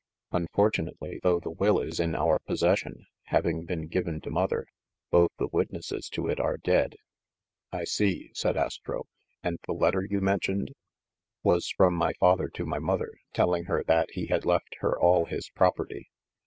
Unfortunately, though the will is in our possession, having been given to mother, both the witnesses to it are dead." "I see," said Astro, "and the letter you mentioned ?" "Was from my father to my mother, telling her that he had left her all his property.